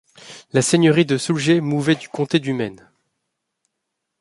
La seigneurie de Soulgé mouvait du comté du Maine.